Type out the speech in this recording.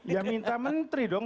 ya minta menteri dong